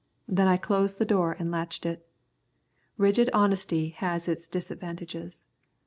Then I closed the door and latched it. Rigid honesty has its disadvantages.